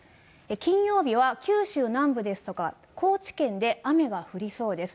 金曜日は九州南部ですとか、高知県で雨が降りそうです。